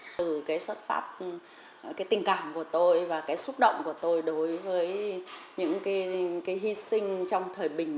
từ cái xuất phát cái tình cảm của tôi và cái xúc động của tôi đối với những cái hy sinh trong thời bình